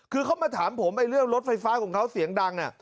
คือเขามาถามผมเรื่องรถไฟฟ้าของเขาเสียงดัง